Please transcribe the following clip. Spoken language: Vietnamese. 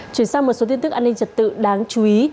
chuyển sang một số tin tức an ninh trật tự đáng chú ý